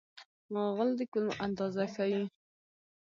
غول د کولمو اندازه ښيي.